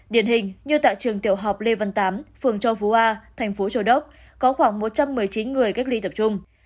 điển hình như tại trường tiểu học lê văn tám phường châu phú a thành phố châu đốc có khoảng một trăm một mươi chín người cách ly tập trung